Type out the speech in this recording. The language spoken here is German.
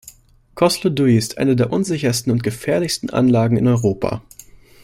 Kosloduj ist eine der unsichersten und gefährlichsten Anlagen in Europa.